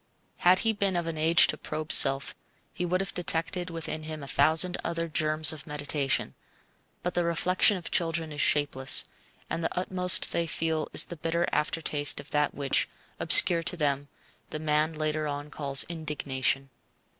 Had he been of an age to probe self, he would have detected within him a thousand other germs of meditation; but the reflection of children is shapeless, and the utmost they feel is the bitter aftertaste of that which, obscure to them, the man later on calls indignation.